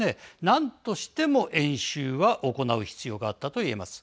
なんとしても演習は行う必要があったといえます。